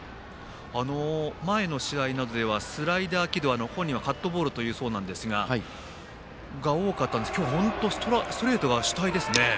前の試合などではスライダー軌道本人はカットボールと言うそうなんですが今日、本当にストレートが主体ですね。